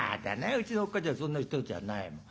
うちのおっかちゃんそんな人じゃないもん。